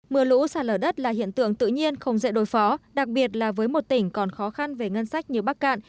mưa lũ sạt lở đất là hiện tượng tự nhiên không dễ đối phó đặc biệt là với một tỉnh còn khó khăn về ngân sách như bắc cạn